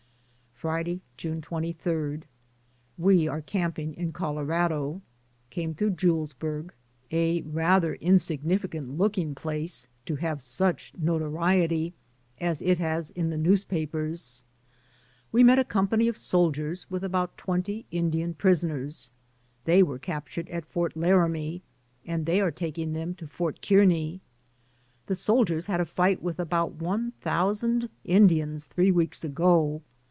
Friday, June 2^. We are camping in Colorado. Came through Julesburgh, a rather insignificant looking place, to have such notoriety as it has in the newspapers. We met a company of soldiers with about twenty Indian prison ers. They were captured at Fort Laramie, and they are taking. them to Fort Kearney. The soldiers had a fight with about one thou sand Indians three weeks ago.